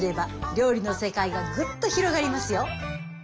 料理の世界がグッと広がりますよ。